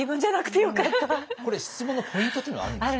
これ質問のポイントというのはあるんですか？